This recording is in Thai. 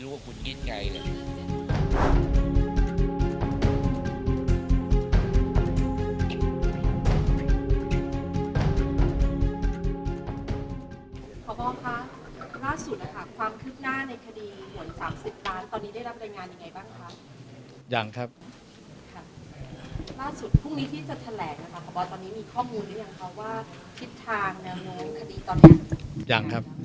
ล่าสุดพรุ่งนี้ที่จะแถลกนะคะครับว่าตอนนี้มีข้อมูลหรือยังครับว่าคิดทางในเมืองคดีตอนนี้